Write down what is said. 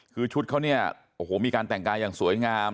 คือชุดเขาเนี่ยโอ้โหมีการแต่งกายอย่างสวยงาม